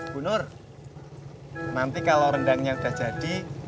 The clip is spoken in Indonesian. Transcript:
bu nur nanti kalau rendangnya sudah jadi